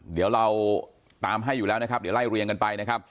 เดี๋ยวเราตามให้อยู่แล้วนะครับเดี๋ยวไล่เรียงกันไปนะครับ